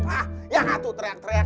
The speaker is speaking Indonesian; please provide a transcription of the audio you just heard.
ah yang atuh teriak teriak